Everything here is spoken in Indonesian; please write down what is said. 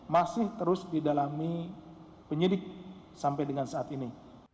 masih terus didalami penyidik sampai dengan saat ini